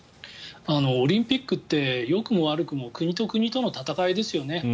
オリンピックってよくも悪くも国と国との戦いですよね。